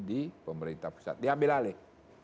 di pemerintah pusat diambil alih